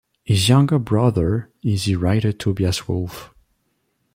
His younger brother is the writer Tobias Wolff.